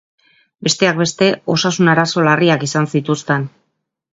Besteak beste, osasun-arazo larriak izan zituzten.